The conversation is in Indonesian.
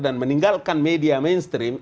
dan meninggalkan media mainstream